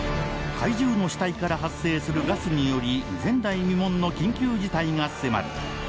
怪獣の死体から発生するガスにより前代未聞の緊急事態が迫る